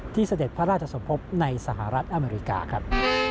เสด็จพระราชสมภพในสหรัฐอเมริกาครับ